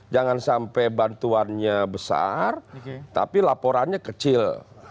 jangan sampai bantuannya besar tapi laporannya kecil